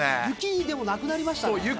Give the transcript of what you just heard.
雪、でもなくなりましたね。